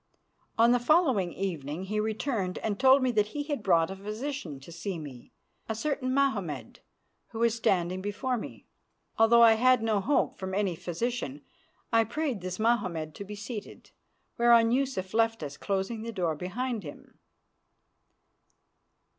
On the following evening he returned and told me that he had brought a physician to see me, a certain Mahommed, who was standing before me. Although I had no hope from any physician, I prayed this Mahommed to be seated, whereon Yusuf left us, closing the door behind him.